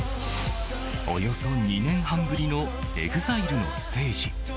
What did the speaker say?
およそ２年半ぶりのＥＸＩＬＥのステージ。